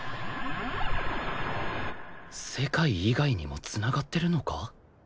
世界以外にも繋がってるのか？